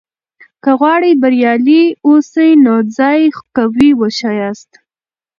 که غواړې بریالی واوسې؛ نو ځان قوي وښیاست.